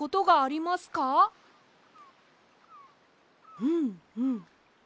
うんうん。